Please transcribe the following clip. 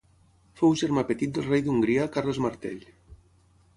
Fou germà petit del rei d'Hongria Carles Martell.